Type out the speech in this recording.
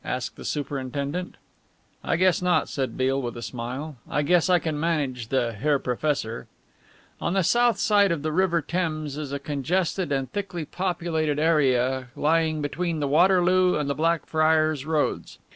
asked the superintendent. "I guess not," said Beale, with a smile, "I guess I can manage the Herr Professor." On the south side of the River Thames is a congested and thickly populated area lying between the Waterloo and the Blackfriars Roads.